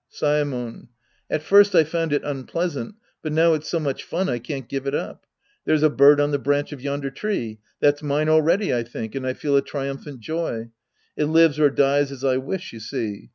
Saemon. At first I found it unpleasant, but now it's so much fun I can't give it up. There's a bird on the branch of yonder tree. "That's mine already," I think, and I feel a triumphant joy. It lives or dies as I wish, you see.